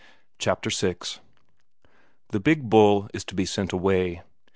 Chapter VI The big bull is to be sent away.